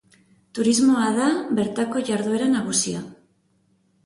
Turismoa da bertako jarduera nagusia.